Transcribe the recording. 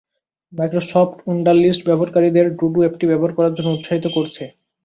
Microsoft Wunderlist ব্যবহারকারীদের to do অ্যাপটি ব্যবহার করার জন্য উৎসাহিত করছে।